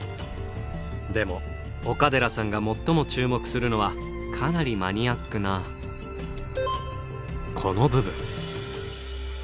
でも岡寺さんが最も注目するのはかなりマニアックなこの部分。